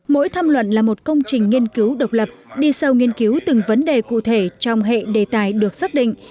mỗi tham luận là một công trình nghiên cứu độc lập đi sâu nghiên cứu từng vấn đề cụ thể trong hệ đề tài được xác định